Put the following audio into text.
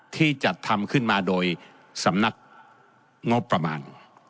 ที่จัดทำขึ้นมาโดยสำนักงบประมาณ